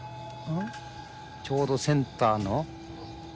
ちょうどセンターの。